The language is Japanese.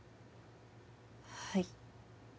はい。